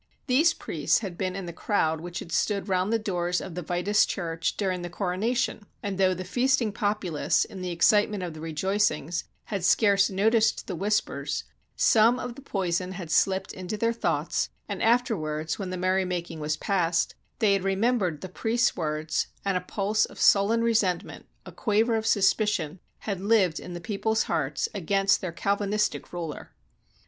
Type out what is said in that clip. These priests had been in the crowd which had stood round the doors of the Vitus Church during the corona tion; and though the feasting populace, in the excite ment of the rejoicings, had scarce noticed the whispers, some of the poison had slipped into their thoughts, and afterwards, when the merrymaking was past, they had remembered the priests' words, and a pulse of sullen re sentment, a quaver of suspicion, had lived in the people's hearts against their Calvinistic ruler.